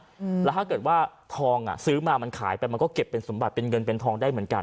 อืมแล้วถ้าเกิดว่าทองอ่ะซื้อมามันขายไปมันก็เก็บเป็นสมบัติเป็นเงินเป็นทองได้เหมือนกัน